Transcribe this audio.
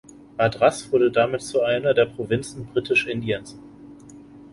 Madras wurde damit zu einer der Provinzen Britisch-Indiens.